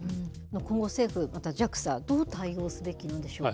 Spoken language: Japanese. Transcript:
今後、政府、またＪＡＸＡ、どう対応すべきなんでしょう。